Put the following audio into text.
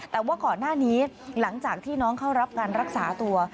แต่ว่าก่อนหน้านี้หลังจากที่น้องเข้ารับการรักษาตัว